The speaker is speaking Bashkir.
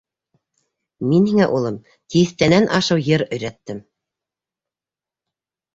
Мин һиңә, улым, тиҫтәнән ашыу йыр өйрәттем.